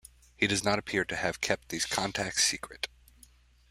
He does not appear to have kept these contacts secret.